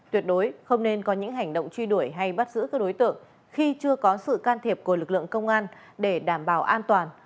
tuyệt đối không nên có những hành động truy đuổi hay bắt giữ các đối tượng khi chưa có sự can thiệp của lực lượng công an để đảm bảo an toàn